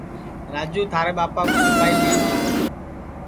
راجو تھارے ٻاپا کُو سیپائی لیگے